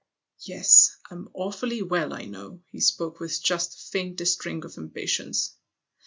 " Yes, I'm awfully well, I know " he spoke with just the faintest ring of impatience.